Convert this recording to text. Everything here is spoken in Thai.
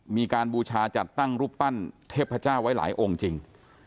บูชาจัดตั้งรูปปั้นเทพเจ้าไว้หลายองค์จริง